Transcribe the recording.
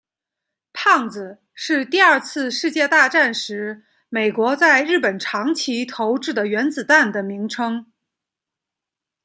胖子是第二次世界大战时美国在日本长崎投掷的原子弹的名称。